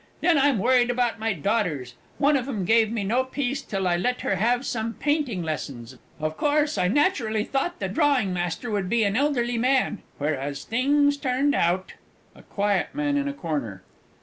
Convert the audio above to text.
Then I'm worried about my daughters one of 'em gave me no peace till I let her have some painting lessons of course, I naturally thought the drawing master would be an elderly man whereas, as things turned out, A QUIET MAN IN A CORNER.